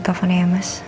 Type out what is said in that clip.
teleponnya ya mas